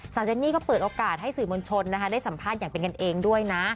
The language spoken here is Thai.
เจนนี่ก็เปิดโอกาสให้สื่อมวลชนได้สัมภาษณ์อย่างเป็นกันเองด้วยนะ